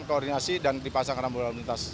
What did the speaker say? koordinasi dan dipasang rambu lalu lintas